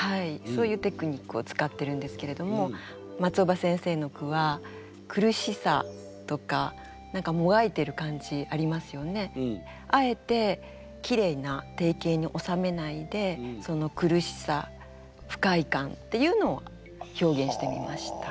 そういうテクニックを使ってるんですけれども松尾葉先生の句はあえてきれいな定型におさめないでその苦しさ不快感っていうのを表現してみました。